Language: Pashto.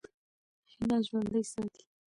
هیله ژوندۍ ساتئ.